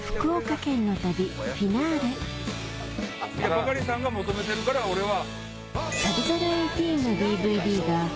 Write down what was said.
バカリさんが求めてるから俺は。